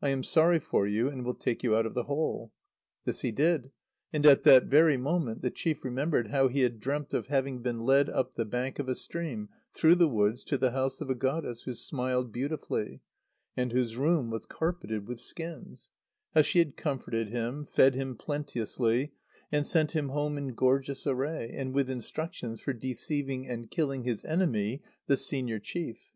I am sorry for you, and will take you out of the hole." This he did; and, at that very moment, the chief remembered how he had dreamt of having been led up the bank of a stream through the woods to the house of a goddess who smiled beautifully, and whose room was carpeted with skins; how she had comforted him, fed him plenteously, and sent him home in gorgeous array, and with instructions for deceiving and killing his enemy, the senior chief.